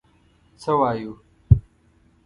څه وایو.